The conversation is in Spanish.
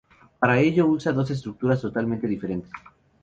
Para ello usa dos estructuras totalmente diferentes.